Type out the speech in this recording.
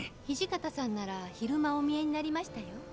土方さんなら昼間お見えになりましたよ。